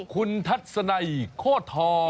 คุณทัศนัยโคตรทอ